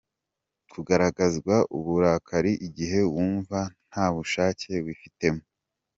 Kugaragaraza uburakari igihe wumva nta bushake wifitemo.